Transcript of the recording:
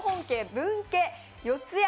分家四谷